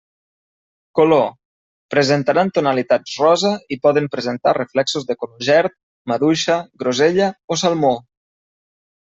Color: presentaran tonalitats rosa, i poden presentar reflexos de color gerd, maduixa, grosella o salmó.